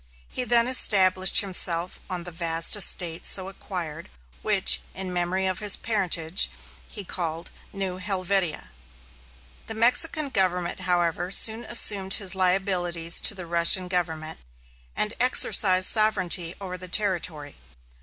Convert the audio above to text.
He then established himself on the vast estates so acquired, which, in memory of his parentage, he called New Helvetia. The Mexican Government, however, soon assumed his liabilities to the Russian Government, and exercised sovereignty over the territory.